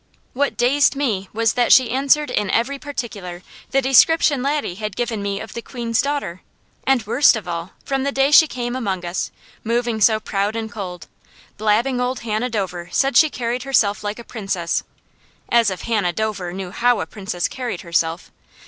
What dazed me was that she answered in every particular the description Laddie had given me of the Queen's daughter. And worst of all, from the day she first came among us, moving so proud and cold, blabbing old Hannah Dover said she carried herself like a Princess as if Hannah Dover knew HOW a Princess carried herself!